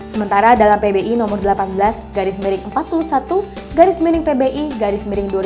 sementara dalam pbi no delapan belas empat puluh satu pbi dua ribu enam belas